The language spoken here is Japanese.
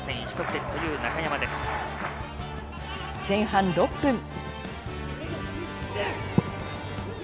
前半６分。